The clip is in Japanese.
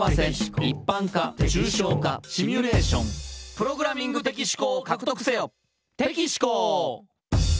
「プログラミング的思考を獲得せよ」